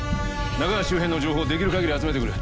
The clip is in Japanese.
中川周辺の情報をできる限り集めてくれ。